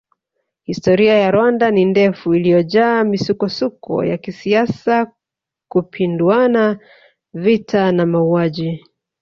Historia ya Rwanda ni ndefu iliyojaa misukosuko ya kisiasa kupinduana vita na mauaji